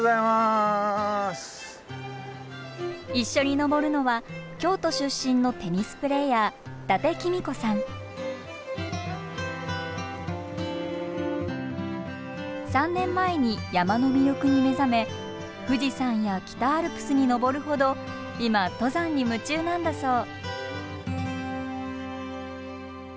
一緒に登るのは京都出身の３年前に山の魅力に目覚め富士山や北アルプスに登るほど今登山に夢中なんだそう。